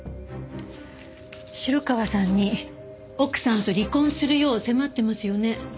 城川さんに奥さんと離婚するよう迫ってますよね？